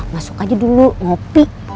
masuk aja dulu ngopi